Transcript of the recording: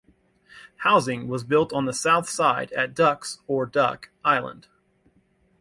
Housing was built on the south side at Ducks (or Duck) Island.